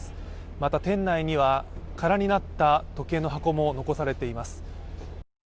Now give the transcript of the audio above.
また店内には空になった時計の箱も残されています。